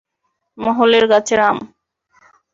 মহলের গাছের আম?